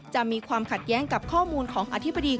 จะมีความขัดแย้งกับข้อมูลของอธิบดี